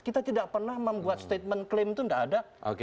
kita tidak pernah membuat statement klaim itu tidak ada